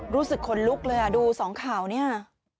รู้สึกขนลุกเลยอ่ะดูสองข่าวเนี่ย